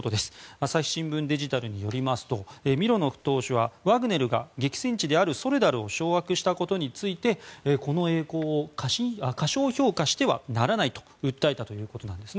朝日新聞デジタルによりますとミロノフ党首はワグネルが激戦地であるソレダルを掌握したことについてこの栄光を過小評価してはならないと訴えたということです。